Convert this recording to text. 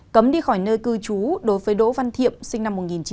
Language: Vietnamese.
cấm đi khỏi nơi cư trú đối với đỗ văn thiệp sinh năm một nghìn chín trăm tám mươi